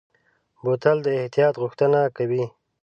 بوتل د احتیاط غوښتنه کوي.